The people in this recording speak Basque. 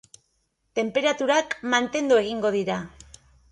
Tenperaturak mantendu egingo dira.